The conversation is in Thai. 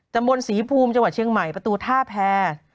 มนต์ศรีภูมิจังหวัดเชียงใหม่ประตูท่าแพร